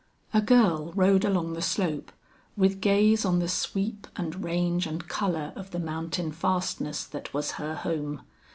A girl rode along the slope, with gaze on the sweep and range and color of the mountain fastness that was her home.